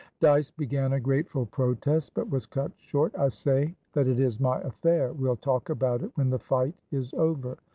Dyce began a grateful protest, but was cut short. "I say that is my affair. We'll talk about it when the fight is over.